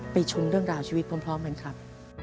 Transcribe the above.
ชมเรื่องราวชีวิตพร้อมกันครับ